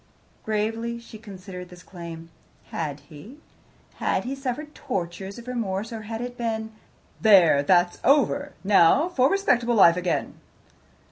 Gravely she considered this claim. Had he? Had he suffered tortures of remorse, or had it been, "There! that's over. Now for respectable life again"?